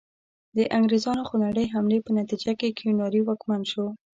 د انګریزانو خونړۍ حملې په نتیجه کې کیوناري واکمن شو.